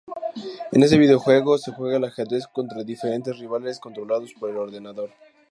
En este videojuego se juega al ajedrez contra diferentes rivales controlados por el ordenador.